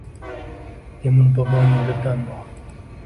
Temur bobong yoʻlidan bor